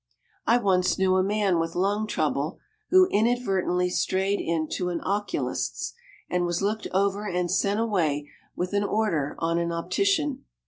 I once knew a man with lung trouble who inadvertently strayed into an oculist's and was looked over and sent away with an order on an optician.